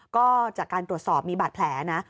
ก็จากการตรวจสอบมีบาดแผลนะ